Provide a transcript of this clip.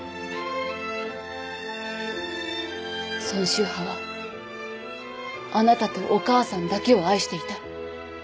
孫秀波はあなたとお母さんだけを愛していた。